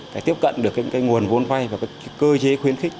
để tiếp cận được những nguồn vốn vay và cơ chế khuyến khích